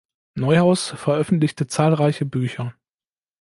Neuhaus veröffentlichte zahlreiche Bücher.